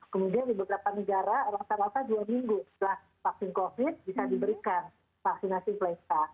kemudian di beberapa negara rata rata dua minggu setelah vaksin covid bisa diberikan vaksinasi playsta